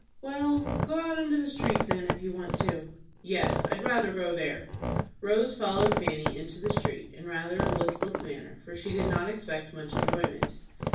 "Well, go out into the street then, if you want to." "Yes, I'd rather go there." Rose followed Fanny into the street in rather a listless manner, for she did not expect much enjoyment.